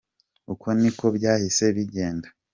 Uko ni ko byahise bigenda.